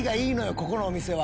ここのお店は。